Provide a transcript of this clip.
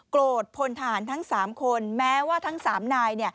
โกรธพลทหารทั้ง๓คนแม้ว่าทั้ง๓นาย